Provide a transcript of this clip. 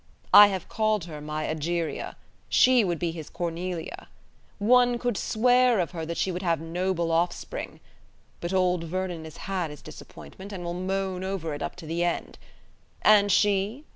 I have called her my Egeria. She would be his Cornelia. One could swear of her that she would have noble offspring! But old Vernon has had his disappointment, and will moan over it up to the end. And she?